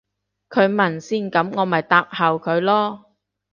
佢問先噉我咪答後佢咯